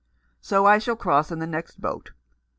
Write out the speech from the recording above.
So I shall cross on the next boat.